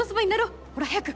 ほら早く。